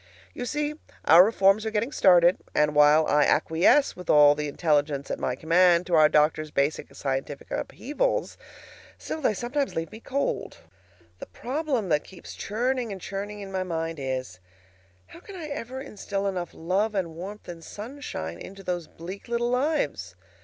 You see, our reforms are getting started; and while I acquiesce with all the intelligence at my command to our doctor's basic scientific upheavals, still, they sometimes leave me cold. The problem that keeps churning and churning in my mind is: How can I ever instil enough love and warmth and sunshine into those bleak little lives?